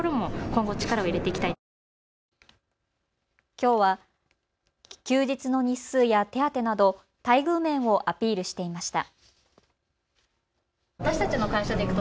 きょうは休日の日数や手当など待遇面をアピールしていました。